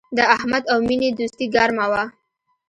د احمد او مینې دوستي گرمه وه